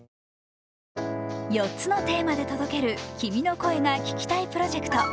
４つのテーマで届ける君の声が聴きたいプロジェクト。